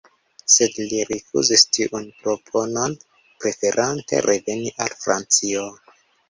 Sed li rifuzis tiun proponon, preferante reveni al Francio.